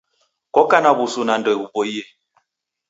Koka na w'usu na ndeghuboie